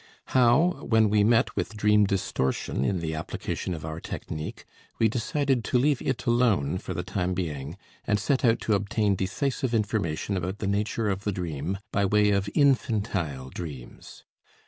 How, when we met with dream distortion in the application of our technique, we decided to leave it alone for the time being, and set out to obtain decisive information about the nature of the dream by way of infantile dreams?